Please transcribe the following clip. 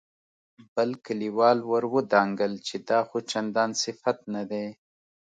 بل کليوال ور ودانګل چې دا خو چندان صفت نه دی.